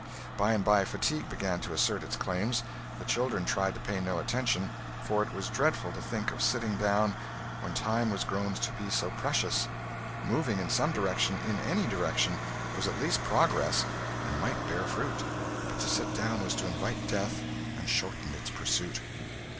By and by, fatigue began to assert its claims; the children tried to pay attention, for it was dreadful to think of sitting down when time was grown to be so precious, moving, in some direction, in any direction, was at least progress and might bear fruit; but to sit down was to invite death and shorten its pursuit.